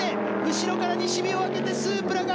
後ろから西日を受けてスープラが。